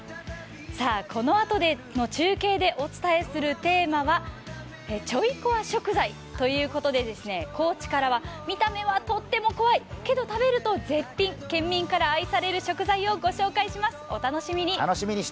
このあとの中継でお伝えするテーマはちょい怖食材ということで、高知からは見た目はとっても怖い、けど食べると絶品、県民に愛される食材を御紹介します。